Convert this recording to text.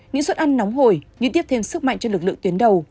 những suất ăn nóng hồi ghi tiếp thêm sức mạnh cho lực lượng tuyến đầu